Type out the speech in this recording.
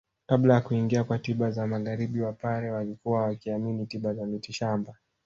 Kabla ya kuingia kwa tiba za magharibi wapare walikuwa wakiamini tiba za mitishamba